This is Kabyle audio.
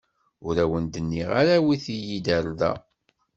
Ur awen-d-nniɣ ara awit-iyi-d ɣer da.